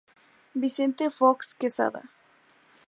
Vicente Fox Quezada.